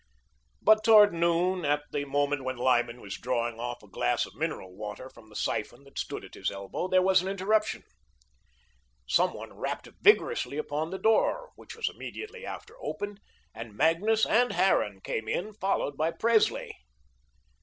But towards noon, at the moment when Lyman was drawing off a glass of mineral water from the siphon that stood at his elbow, there was an interruption. Some one rapped vigorously upon the door, which was immediately after opened, and Magnus and Harran came in, followed by Presley.